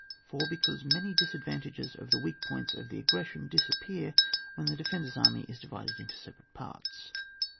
4. Because many disadvantages of the weak points of the aggression dis appear when the defender's army is divided into separate parts.